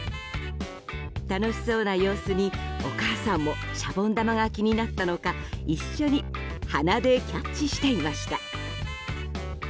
楽しそうな様子にお母さんもシャボン玉が気になったのか一緒に鼻でキャッチしていました。